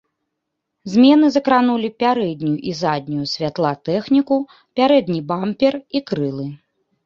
Змены закранулі пярэднюю і заднюю святлатэхніку, пярэдні бампер і крылы.